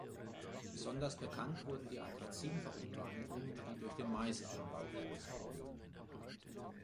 Besonders bekannt wurden die Atrazin-Verunreinigungen, die durch den Maisanbau verursacht wurden.